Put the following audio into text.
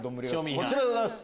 こちらでございます。